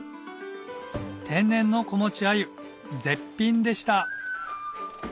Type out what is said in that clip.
天然の子持ちアユ絶品でした